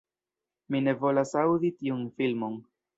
Mi ne volas aŭdi tiun filmon!